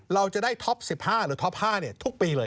เราจะได้ท็อป๑๕หรือท็อป๕ทุกปีเลย